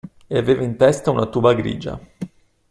E aveva in testa una tuba grigia.